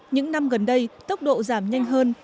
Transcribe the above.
những năm gần đây tốc độ giảm nhanh hơn